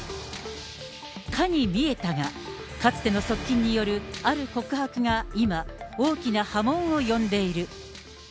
かに見えたが、かつての側近による、ある告白が今、大きな波紋を呼んでいる。